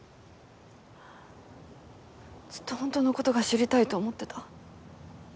ずっと本当の事が知りたいと思ってた。